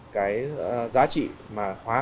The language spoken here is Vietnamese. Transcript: cái giá trị mà khóa